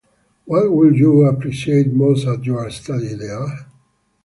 What would you appreciate most at your study there?